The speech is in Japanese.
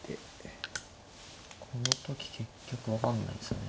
この時結局分かんないですよね。